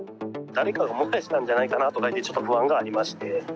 誰かが燃やしたんじゃないかなと、ちょっと不安がありまして。